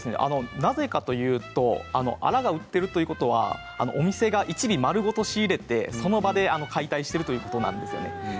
なぜかというとアラが売っているということはお店が１尾丸ごと仕入れてその場で解体しているということなんです。